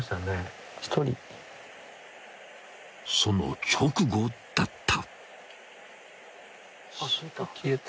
［その直後だった］